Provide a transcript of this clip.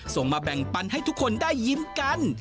ส่งมาแบ่งปันให้ทุกคนได้ยิ้มกัน